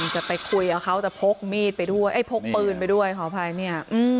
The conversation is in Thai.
จะไปคุยกับเขาแต่พกปืนไปด้วยขอบภัยนี่